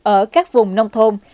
ở các vùng nông thôn